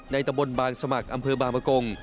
ตำบลบางสมัครอำเภอบางประกง